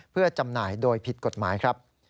เพื่อจำหน่ายโดยผิดกฎหมายครับ